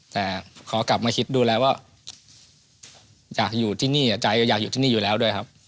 แต่ขอกลับมาคิดดูแลว่าอยากอยู่ที่นี่ใจก็อยากอยู่ที่นี่อยู่แล้วด้วยครับ